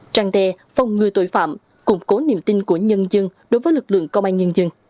trang đe phòng ngừa tội phạm củng cố niềm tin của nhân dân đối với lực lượng công an nhân dân